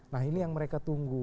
nah ini yang mereka tunggu